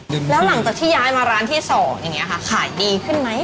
แล้วหลังจากที่ย้ายมาร้านที่สองอย่างเงี้ค่ะขายดีขึ้นไหม